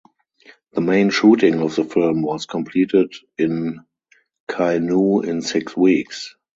The main shooting of the film was completed in Kainuu in six weeks.